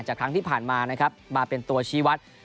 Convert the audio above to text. ครั้งที่ผ่านมานะครับมาเป็นตัวชี้วัด